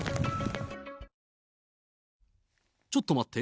ちょっと待って。